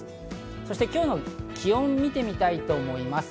そして今日の気温を見てみたいと思います。